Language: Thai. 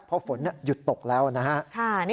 เพราะฝนหยุดตกแล้วนะฮะ